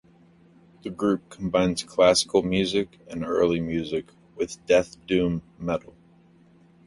The group combines classical music and early music with death doom metal.